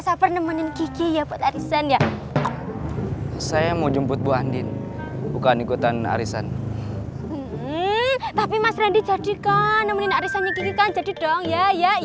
sampai jumpa di video selanjutnya